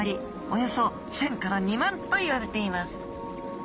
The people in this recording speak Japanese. およそ１，０００２万といわれています